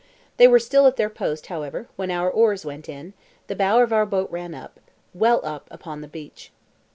They were still at their post, however, when our oars went in, and the bow of our boat ran up—well up upon the beach.